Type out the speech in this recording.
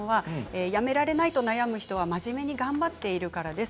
やめられないと悩む人は真面目に頑張っているからです。